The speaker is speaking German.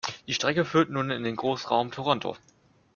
Die Strecke führt nun in den Großraum Toronto.